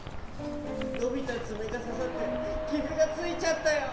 のびたつめがささってきずがついちゃったよ。